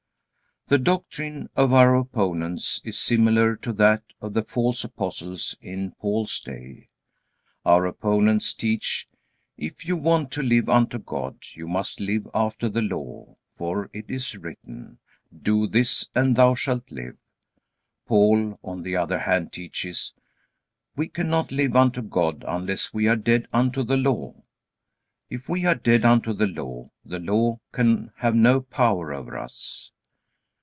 The doctrine of our opponents is similar to that of the false apostles in Paul's day. Our opponents teach, "If you want to live unto God, you must live after the Law, for it is written, Do this and thou shalt live." Paul, on the other hand, teaches, "We cannot live unto God unless we are dead unto the Law." If we are dead unto the Law, the Law can have no power over us.